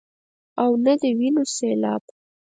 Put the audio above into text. او نۀ د وينو سيلاب ،